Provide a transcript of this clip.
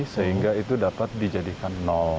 sehingga itu dapat dijadikan nol